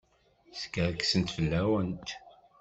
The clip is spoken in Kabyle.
Skerksent fell-awent.